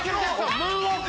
ムーンウオーク！